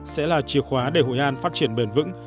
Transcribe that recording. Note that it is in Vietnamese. sẽ là chìa khóa để hội an phát triển bền vững